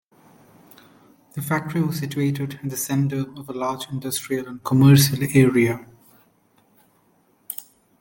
The factory was situated in the centre of a large industrial and commercial area.